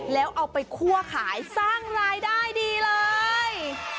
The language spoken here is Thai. แล้วเอาไปคั่วขายสร้างรายได้ดีเลย